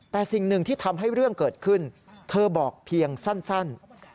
แต่สิ่งหนึ่งที่ทำให้เรื่องเกิดขึ้นเธอบอกเพียงสั้น